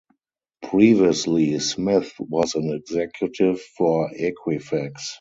Previously, Smith was an executive for Equifax.